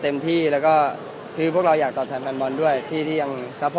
สวัสดีครับขออนุญาตถ้าใครถึงแฟนทีลักษณ์ที่เกิดอยู่แล้วค่ะ